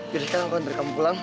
jadi sekarang aku anterin kamu pulang